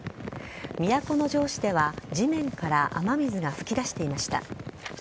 都城市では地面から雨水が噴き出していました。